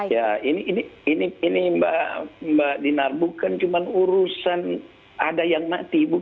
ya ini mbak dinar bukan cuma urusan ada yang mati